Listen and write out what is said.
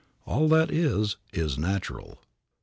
All that is is natural.